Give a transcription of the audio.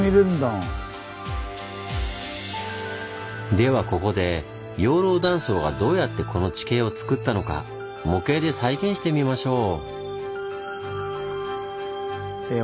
ではここで養老断層がどうやってこの地形をつくったのか模型で再現してみましょう。